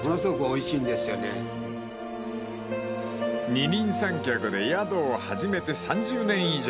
［二人三脚で宿を始めて３０年以上］